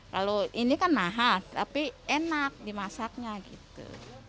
kalau ini kan mahal tapi enak dimasaknya gitu